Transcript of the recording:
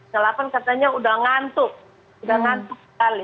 selapan katanya sudah ngantuk sudah ngantuk sekali